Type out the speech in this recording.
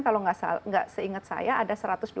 kalau nggak seingat saya ada